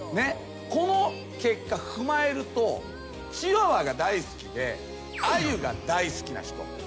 この結果踏まえるとチワワが大好きであゆが大好きな人。